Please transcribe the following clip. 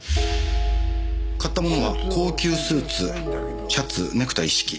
買ったものは高級スーツシャツネクタイ一式。